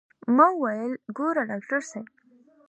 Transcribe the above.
ما وويل ګوره ډاکتر صاحب.